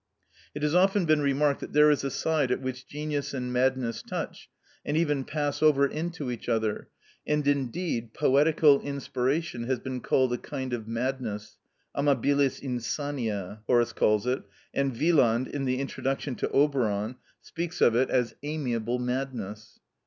It has often been remarked that there is a side at which genius and madness touch, and even pass over into each other, and indeed poetical inspiration has been called a kind of madness: amabilis insania, Horace calls it (Od. iii. 4), and Wieland in the introduction to "Oberon" speaks of it as "amiable madness."